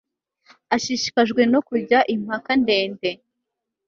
Ashishikajwe no kujya impaka ndende